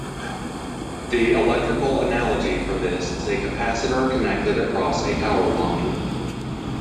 The electrical analogy for this is a capacitor connected across a power line.